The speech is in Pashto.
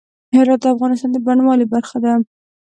هرات د افغانستان د بڼوالۍ برخه ده.